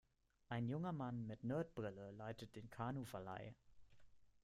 Ein junger Mann mit Nerd-Brille leitet den Kanuverleih.